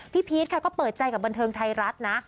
พี่พีชก็เปิดใจกับบรรเทิงทายรัฐนะ